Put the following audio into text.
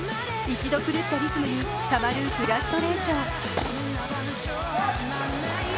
一度狂ったリズムにたまるフラストレーション。